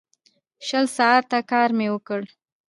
شل ساعته کار مې وکړ.